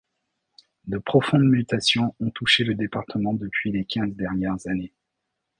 De profondes mutations ont touché le département depuis les quinze dernières années.